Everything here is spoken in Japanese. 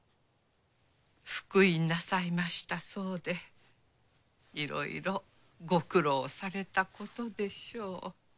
復員なさいましたそうでいろいろご苦労されたことでしょう。